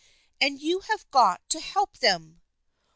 And you have got to help them."